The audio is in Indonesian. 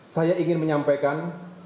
saya ingin menyampaikan